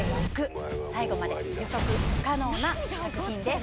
最後まで予測不可能な作品です